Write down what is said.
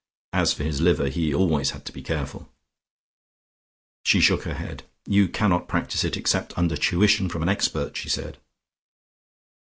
As for his liver he always had to be careful. She shook her head. "You cannot practise it except under tuition from an expert," she said.